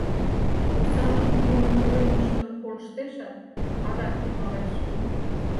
Русанов нунын ойлымыштым колыштешат, адак тӱҥалеш.